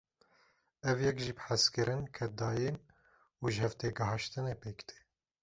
Ev yek jî bi hezkirin, keddayîn û jihevtêgihaştinê pêk tê.